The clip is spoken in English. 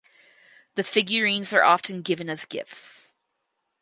The figurines are often given as gifts.